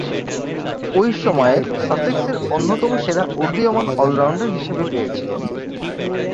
ঐ সময়ে সাসেক্সের অন্যতম সেরা উদীয়মান অল-রাউন্ডার হিসেবে পেয়েছিল।